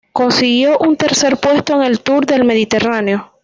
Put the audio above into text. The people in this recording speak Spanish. Consiguió un tercer puesto en el Tour del Mediterráneo.